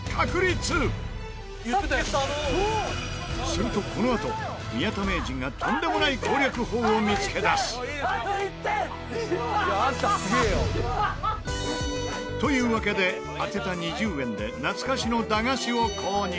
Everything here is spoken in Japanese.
するとこのあと宮田名人がとんでもない攻略法を見付け出す。というわけで当てた２０円で懐かしの駄菓子を購入。